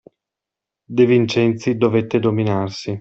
De Vincenzi dovette dominarsi.